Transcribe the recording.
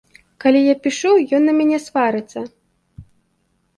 Калі я пішу, ён на мяне сварыцца.